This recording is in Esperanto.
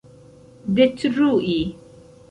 detrui